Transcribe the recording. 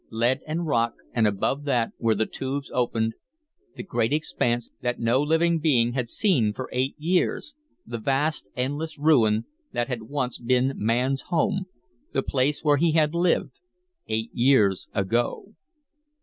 Lead and rock, and above that, where the tubes opened, the great expanse that no living being had seen for eight years, the vast, endless ruin that had once been Man's home, the place where he had lived, eight years ago.